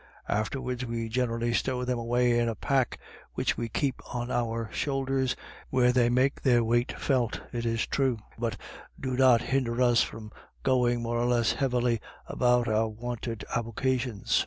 Afterwards we generally stow them away in the pack which we keep on our shoulders, where they make their weight felt, it is true, but do not hinder us from going, more or less heavily, about our wonted avocations.